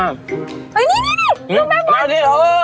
นี่